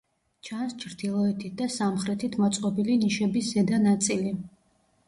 ჩანს ჩრდილოეთით და სამხრეთით მოწყობილი ნიშების ზედა ნაწილი.